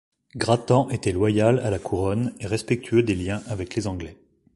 Grattan était loyal à la Couronne et respectueux des liens avec les Anglais.